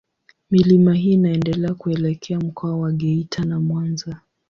Milima hii inaendelea kuelekea Mkoa wa Geita na Mwanza.